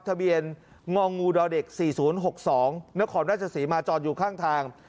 ทะเบียนงด๔๐๖๒นรศมาจอดอยู่ข้างทาง